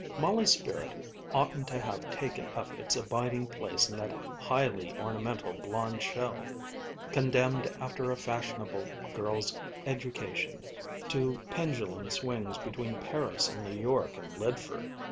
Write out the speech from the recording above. Molly's spirit oughtn't to have taken up its abiding place in that highly ornamental blond shell, condemned after a fashionable girl's education to pendulum swings between Paris and New York and Lydford.